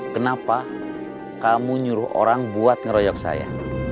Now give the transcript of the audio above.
kenapa kamu nyuruh orang buat ngeroyok saya